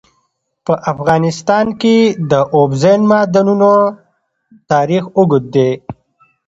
په افغانستان کې د اوبزین معدنونه تاریخ اوږد دی.